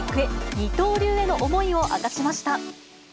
二刀流への思いを明かしました。